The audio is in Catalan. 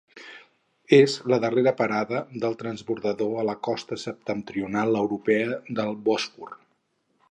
És la darrera parada del transbordador a la costa septentrional europea del Bòsfor.